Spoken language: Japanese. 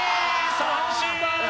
三振！